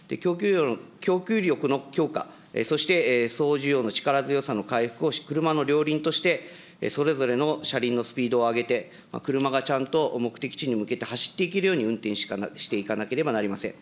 供給力の強化、そして総需要の力強さの回復を車の両輪として、それぞれの車輪のスピードを上げて、車がちゃんと目的地に向けて走っていけるように、運転していかなければなりません。